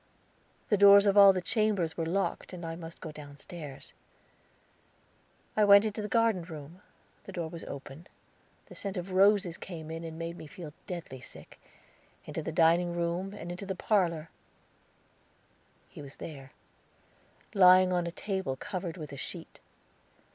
The doors of all the chambers were locked, and I must go downstairs. I went into the garden room the door was open, the scent of roses came in and made me deadly sick; into the dining room, and into the parlor he was there, lying on a table covered with a sheet.